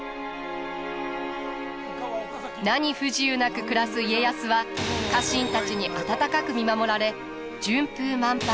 何不自由なく暮らす家康は家臣たちに温かく見守られ順風満帆